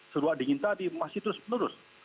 seruak dingin tadi masih terus menerus